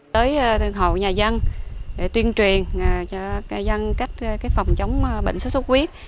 tới hồ nhà dân tuyên truyền cho nhà dân cách phòng chống bệnh xuất xuất huyết